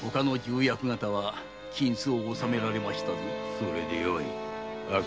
それでよい。